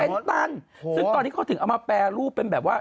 เป็นตันซึ่งตอนนี้เขาถึงเอามาแปรรูปเป็นแบบว่า